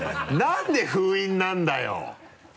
何で封印なんだよ！